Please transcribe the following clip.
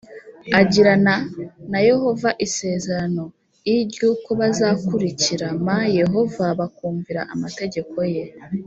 agirana na Yehova isezerano l ry uko bazakurikiram Yehova bakumvira amategeko ye